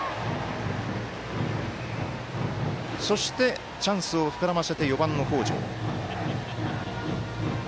そして、チャンスを膨らませて４番の北條。